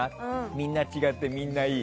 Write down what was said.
みんな違って、みんないい。